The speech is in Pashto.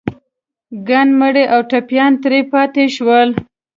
ګڼ مړي او ټپيان ترې پاتې شول.